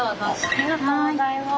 ありがとうございます。